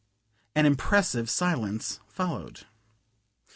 An impressive silence followed.